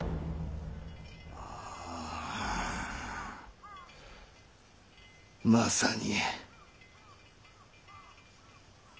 あまさに。